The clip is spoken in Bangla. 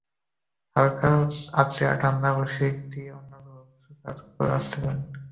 হালকা আঁচে রান্না বসিয়ে দিয়ে অন্য ঘরেও কিছু কাজ করে আসতে পারেন।